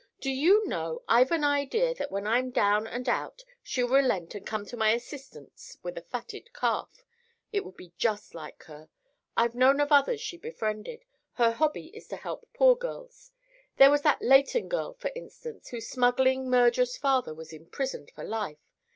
Do you know, I've an idea that when I'm down and out she'll relent and come to my assistance with a fatted calf? It would be just like her. I've known of others she befriended. Her hobby is to help poor girls. There was that Leighton girl, for instance, whose smuggling, murderous father was imprisoned for life.